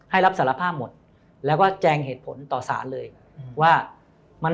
ให้รับสารภาพหมดแล้วก็แจงเหตุผลต่อสารเลยว่ามัน